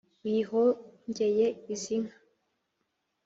uyihongeye izi nka